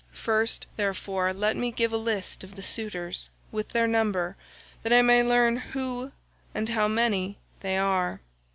First, therefore, give me a list of the suitors, with their number, that I may learn who, and how many, they are.